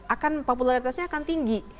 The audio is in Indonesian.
akan popularitasnya akan tinggi